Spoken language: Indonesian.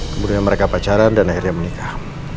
kemudian mereka pacaran dan akhirnya menikah